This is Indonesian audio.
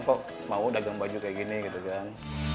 kok mau dagang baju kayak gini gitu kan